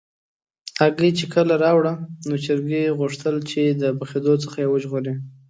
هګۍ چې کله راوړه، نو چرګې غوښتل چې د پخېدو څخه یې وژغوري.